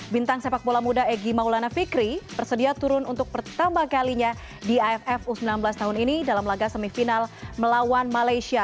bintang sepak bola muda egy maulana fikri bersedia turun untuk pertama kalinya di aff u sembilan belas tahun ini dalam laga semifinal melawan malaysia